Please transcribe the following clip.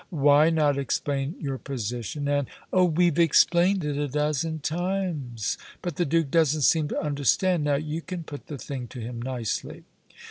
"Why not explain your position, and ?" "Oh, we've explained it a dozen times. But the Duke doesn't seem to understand. Now, you can put the thing to him nicely."